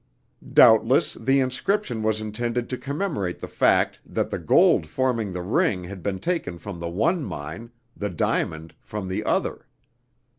Doubtless the inscription was intended to commemorate the fact that the gold forming the ring had been taken from the one mine, the diamond from the other.